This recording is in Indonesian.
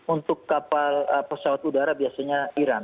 untuk kapal pesawat udara biasanya iran